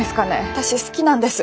私好きなんです。